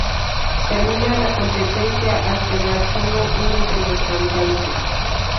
Termina la competencia al quedar solo uno de los cantantes.